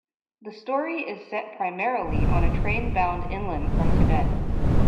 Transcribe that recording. The story is set primarily on a train bound inland from Tibet.